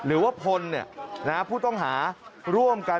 หรือว่าพลนะครับผู้ต้องหา